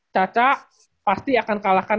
caca pasti akan kalahkan